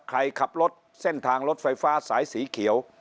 ใครขับรถเส้นทางรถไฟฟ้าสายสีเขียว